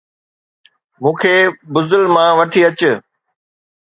مون کي بزدل مان وٺي اچ